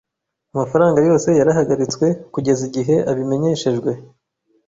Amafaranga yose yarahagaritswe kugeza igihe abimenyeshejwe